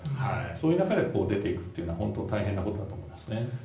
そういう中で出ていくのは本当に大変なことだと思いますね。